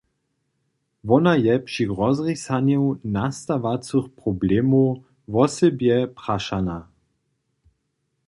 Wona je při rozrisanju nastawacych problemow wosebje prašana.